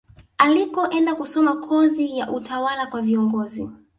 Alikoenda kusoma kozi ya utawala kwa viongozi